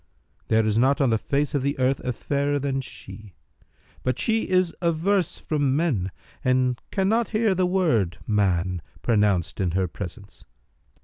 There is not on the face of the earth a fairer than she; but she is averse from men and cannot hear the word 'man' pronounced in her presence.